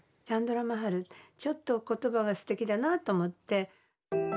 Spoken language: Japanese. チャンドラ・マハルちょっと言葉がすてきだなと思って。